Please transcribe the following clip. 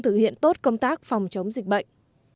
thực hiện tốt công tác phòng chống dịch bệnh